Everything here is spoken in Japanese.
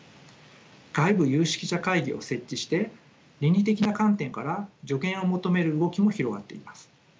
外部有識者会議を設置して倫理的な観点から助言を求める動きも広がっています。